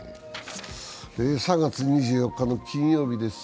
３月２４日の金曜日です。